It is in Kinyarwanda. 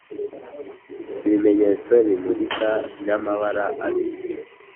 ibimenyetso bimulika by'amabara abiri